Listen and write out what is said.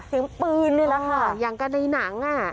เสียงปืนเลยนะคะอย่างกับในนางน่ะ